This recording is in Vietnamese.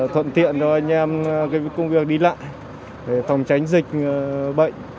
thuận tiện cho anh em công việc đi lại để phòng tránh dịch bệnh